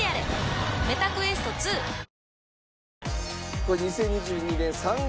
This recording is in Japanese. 「これ２０２２年３月」